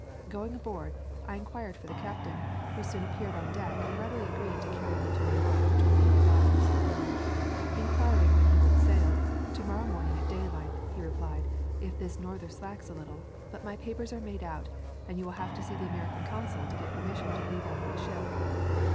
Going aboard, I inquired for the captain, who soon appeared on deck and readily agreed to carry me to New York for twenty five dollars. Inquiring when he would sail, "To morrow morming at daylight," he replied, "if this norther slacks a little; but my papers are made out, and you will have to see the American consul to get permission to leave on my ship."